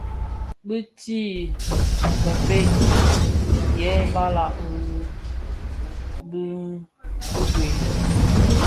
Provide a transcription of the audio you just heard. Biitiʼi kibëë yêê balàg rì biswed.